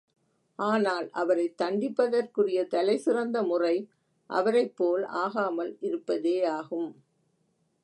ஆனால் அவரைத் தண்டிப்பதற்குரிய தலை சிறந்த முறை அவரைப் போல் ஆகாமல் இருப்பதேயாகும்.